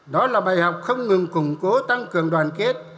đó là bài học không ngừng củng cố tăng cường đoàn kết